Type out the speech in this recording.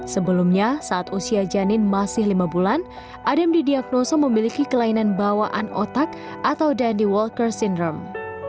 sebelumnya saat usia janin masih lima bulan adam didiagnosa memiliki kelainan bawaan otak atau dandy walker syndrome